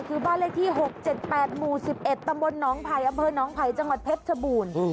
ที่บ้านละที่๖๗๘หมู่๑๑ตำบลน้องภัยอำเภอน้องภัยจังหวัดเพชรชบูรณ์